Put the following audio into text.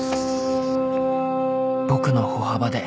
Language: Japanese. ［僕の歩幅で］